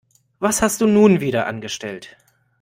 Was hast du nun wieder angestellt?